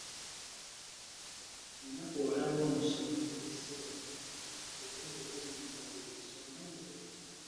Ennaku olaba omusomi ggwe ssebo era bwo wona ennaku ezisoma ngowonye.